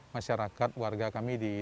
masyarakat warga kami di